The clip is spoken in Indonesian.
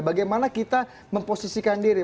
bagaimana kita memposisikan diri